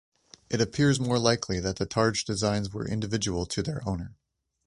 It appears more likely that targe designs were individual to their owner.